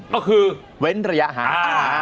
ก็คือเว้นระยะห่าง